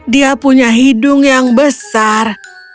dia punya hidung yang besar